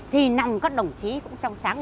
thì nằm các đồng chí cũng trong sáng